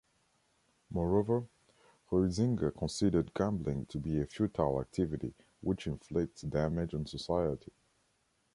Moreover, Huizinga considered gambling to be a "futile activity" which inflicts damage on society.